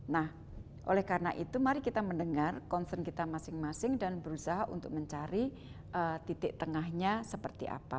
nah oleh karena itu mari kita mendengar concern kita masing masing dan berusaha untuk mencari titik tengahnya seperti apa